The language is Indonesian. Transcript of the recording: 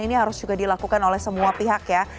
ini harus juga dilakukan oleh semua pihak ya